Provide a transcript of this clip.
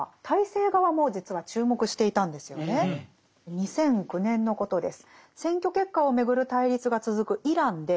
２００９年のことです。